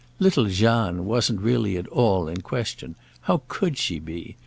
Little Jeanne wasn't really at all in question—how could she be?